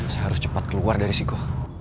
saya harus cepat keluar dari siko